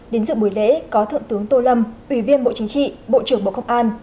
đến dự buổi lễ có thượng tướng tô lâm ủy viên bộ chính trị bộ trưởng bộ công an